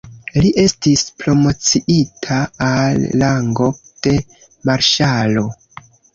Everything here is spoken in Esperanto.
Li estis promociita al rango de marŝalo.